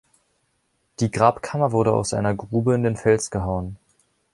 Die Grabkammer wurde aus einer Grube in den Fels gehauen.